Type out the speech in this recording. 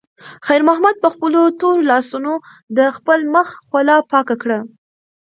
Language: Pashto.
خیر محمد په خپلو تورو لاسونو د خپل مخ خوله پاکه کړه.